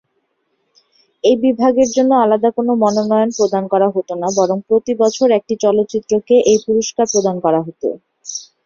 এই বিভাগের জন্য আলাদা কোন মনোনয়ন প্রদান করা হতো না, বরং প্রতি বছর একটি চলচ্চিত্রকে এই পুরস্কার প্রদান করা হত।